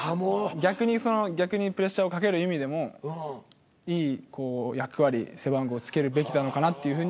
逆にその逆にプレッシャーをかける意味でもいいこう役割背番号付けるべきなのかなっていうふうに。